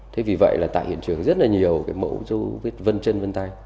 thế vì vậy là tại hiện trường rất là nhiều cái mẫu dấu vết vân chân vân tay